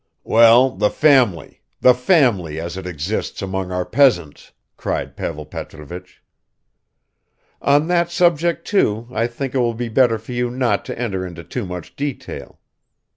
"Well, the family, the family as it exists among our peasants," cried Pavel Petrovich. "On that subject, too, I think it will be better for you not to enter into too much detail.